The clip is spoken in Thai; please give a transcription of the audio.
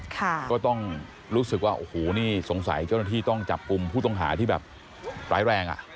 ก็ต้องรู้สึกว่าโอ้โหนี่สงสัยเจ้าหน้าที่ต้องจับกลุ่มผู้ต้องหาที่แบบร้ายแรงอ่ะ